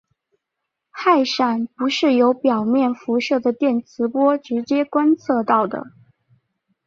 氦闪不是由表面辐射的电磁波直接观测到的。